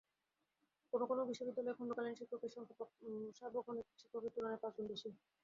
কোনো কোনো বিশ্ববিদ্যালয়ে খণ্ডকালীন শিক্ষকের সংখ্যা সার্বক্ষণিক শিক্ষকদের তুলনায় পাঁচ গুণ বেশি।